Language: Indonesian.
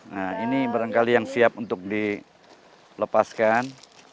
nah ini barangkali yang siap untuk dilepaskan